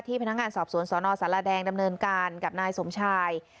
พนักงานสอบสวนสนสารแดงดำเนินการกับนายสมชาย